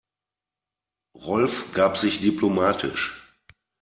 Rolf gab sich diplomatisch.